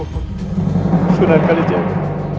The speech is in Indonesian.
maafkan aku sunar kalijaya